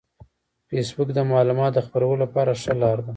فېسبوک د معلوماتو د خپرولو لپاره ښه لار ده